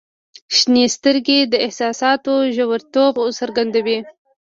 • شنې سترګې د احساساتو ژوریتوب څرګندوي.